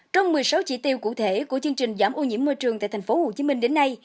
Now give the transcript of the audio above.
trong một mươi sáu chỉ tiêu cụ thể của chương trình giảm ô nhiễm môi trường tại tp hcm đến nay